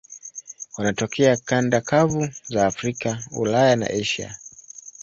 Wanatokea kanda kavu za Afrika, Ulaya na Asia.